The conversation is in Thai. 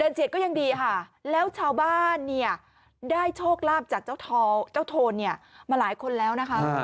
เฉียดก็ยังดีค่ะแล้วชาวบ้านเนี่ยได้โชคลาภจากเจ้าโทนเนี่ยมาหลายคนแล้วนะคะ